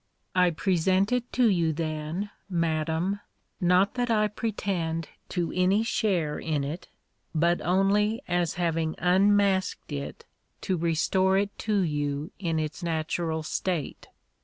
I present it to you then, Madam, not that I pretend to any share in it, but only as having unmasked it to restore it to you in its natural state.